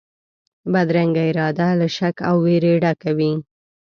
بدرنګه اراده له شک او وېري ډکه وي